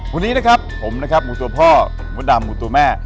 วันนี้นะครับผมนะครับหมูตัวพ่อมดดำหมูตัวแม่